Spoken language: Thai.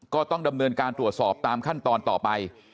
ก็ต้องดำเนินการตรวจสอบตามขั้นตอนต่อไป